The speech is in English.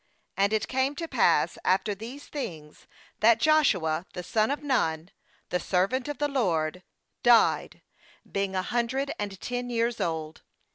29And it came to pass after these things, that Joshua the son of Nun, the servant of the LORD, died, being a 291 24.29 JOSHUA hundred and ten years old.